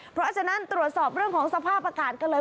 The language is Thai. เพราะฉะนั้นตรวจสอบเรื่องของสภาพอากาศกันเลย